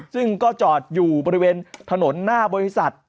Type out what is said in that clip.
ซึ่งก็จอดอยู่บริเวณถนนหน้าบริษัท